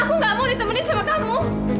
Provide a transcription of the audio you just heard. aku gak mau ditemenin sama kamu